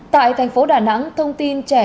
tại thành phố đà nẵng thông tin trẻ